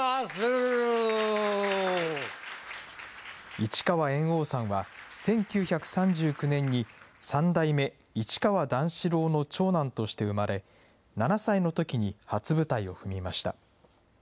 市川猿翁さんは、１９３９年に三代目市川段四郎の長男として生まれ、７歳のときに初舞台を踏みました。